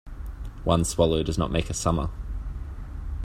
One swallow does not make a summer.